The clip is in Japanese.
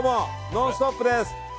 「ノンストップ！」です。